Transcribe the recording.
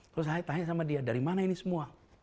terus saya tanya sama dia dari mana ini semua